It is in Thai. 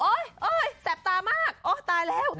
แสบตามากโอ๊ยตายแล้ว